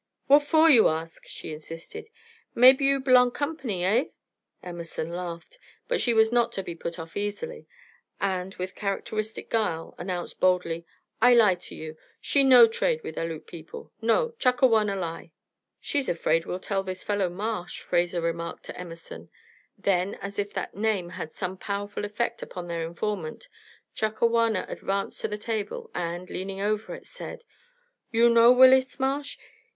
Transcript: "What for you ask?" she insisted. "Maybe you b'long Company, eh?" Emerson laughed, but she was not to be put off easily, and, with characteristic guile, announced boldly: "I lie to you. She no trade with Aleut people. No; Chakawana lie!" "She's afraid we'll tell this fellow Marsh," Fraser remarked to Emerson; then, as if that name had some powerful effect upon their informant, Chakawana advanced to the table, and, leaning over it, said: "You know Willis Marsh?"